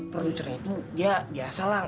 producerna itu dia biasa lah